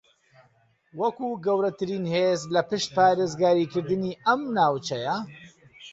وەکو گەورەترین ھێز لە پشت پارێزگاریکردنی ئەم ناوچەیە